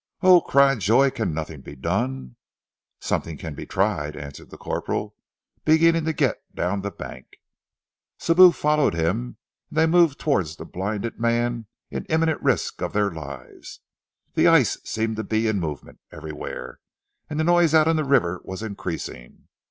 "Oh," cried Joy, "can nothing be done?" "Something can be tried," answered the corporal, beginning to get down the bank. Sibou followed him, and they moved towards the blinded man in imminent risk of their lives. The ice seemed to be in movement everywhere, and the noise out on the river was increasing.